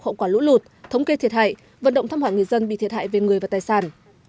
hậu quả lũ lụt thống kê thiệt hại vận động thăm hỏa người dân bị thiệt hại về người và tài sản